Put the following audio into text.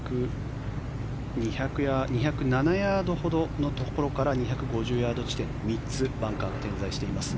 ２０７ヤードほどのところから２５０ヤード地点に３つ、バンカーが点在しています。